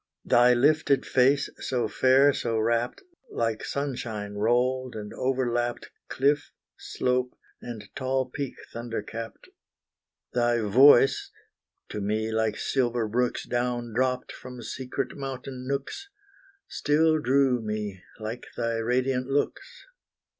Thy lifted face, so fair, so rapt, Like sunshine rolled and overlapped Cliff, slope, and tall peak thunder capped. Thy voice to me like silver brooks Down dropped from secret mountain nooks, Still drew me, like thy radiant looks.